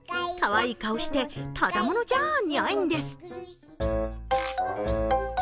かわいい顔してただものじゃニャイんです。